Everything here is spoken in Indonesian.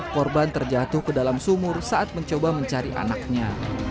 korban terjatuh ke dalam sumur saat mencoba mencari anaknya